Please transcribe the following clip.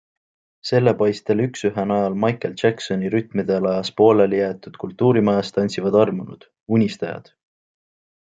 Selle paistel üksühe najal Michael Jacksoni rütmide lajas pooleli jäetud kultuurimajas tantsivad armunud, unistajad.